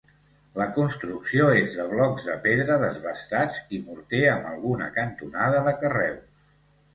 La construcció és de blocs de pedra desbastats i morter amb alguna cantonada de carreus.